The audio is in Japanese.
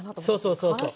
そうそうそうそう。